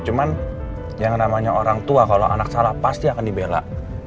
cuman yang namanya orang tua kalau anak salah pasti akan dibela